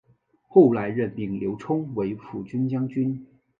后来任命刘聪为抚军将军。